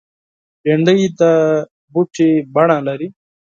بېنډۍ د بوټي بڼه لري